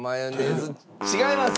違います！